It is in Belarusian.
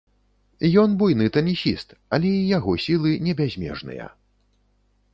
Ён буйны тэнісіст, але і яго сілы не бязмежныя.